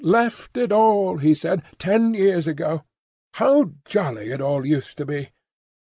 "Left it all," he said, "ten years ago. How jolly it all used to be!